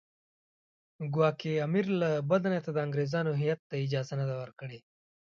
ګواکې امیر له بده نیته د انګریزانو هیات ته اجازه نه ده ورکړې.